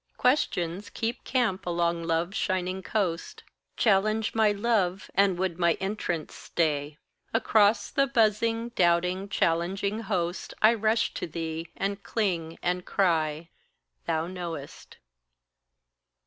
Questions keep camp along love's shining coast Challenge my love and would my entrance stay: Across the buzzing, doubting, challenging host, I rush to thee, and cling, and cry Thou know'st.